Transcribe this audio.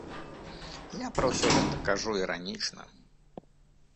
Я пра ўсё гэта кажу іранічна.